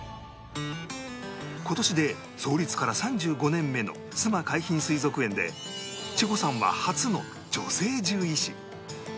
今年で創立から３５年目の須磨海浜水族園で千穂さんは初の女性獣医師